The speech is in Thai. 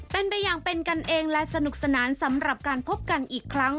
เป็นไปอย่างเป็นกันเองและสนุกสนานสำหรับการพบกันอีกครั้ง